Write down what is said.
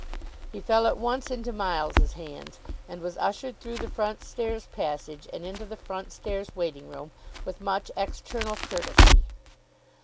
He fell at once into Miles's hands, and was ushered through the front stairs passage and into the front stairs waiting room, with much external courtesy.